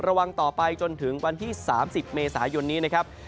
ระวังต่อไปจนถึงวันที่๓๐เมษายนนี้นะครับ